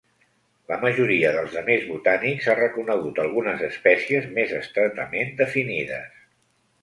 La majoria dels demés botànics ha reconegut algunes espècies més estretament definides.